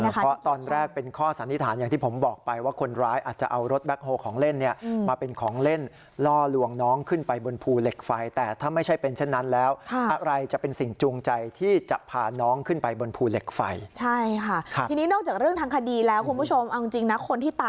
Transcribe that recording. เพราะตอนแรกเป็นข้อสันนิษฐานอย่างที่ผมบอกไปว่าคนร้ายอาจจะเอารถแบคโฮของเล่นเนี่ยมาเป็นของเล่น